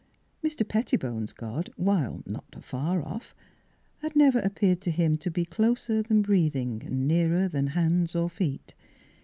Mr. Pettibone's God, while not afar off, had never appeared to him to be " closer than breathing; nearer than hands or feet."